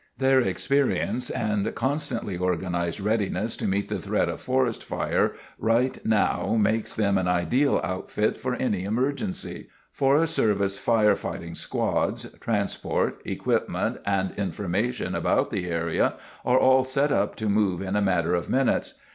Their experience and constantly organized readiness to meet the threat of forest fires right now makes them an ideal outfit for any emergency. Forest Service firefighting squads, transport, equipment, and information about the area are all set up to move in a matter of minutes.